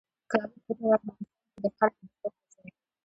کابل په ټول افغانستان کې د خلکو د خوښې ځای دی.